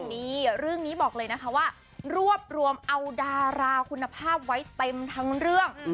นี่เรื่องนี้บอกเลยนะคะว่ารวบรวมเอาดาราคุณภาพไว้เต็มทั้งเรื่อง